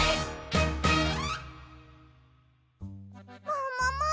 ももも！